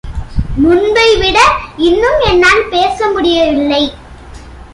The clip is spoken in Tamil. முன்பை விட இன்னும் என்னால் பேச முடிய வில்லை.